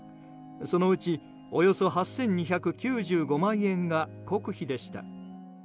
そのうち、およそ８２９５万円が国費でした。